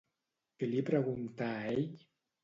Què li pregunta a ell?